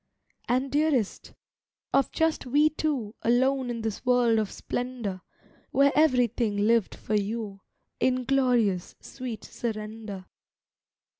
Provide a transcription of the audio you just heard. And, dearest,—of just we two, Alone in this world of splendour, Where everything lived for you, In glorious, sweet surrender.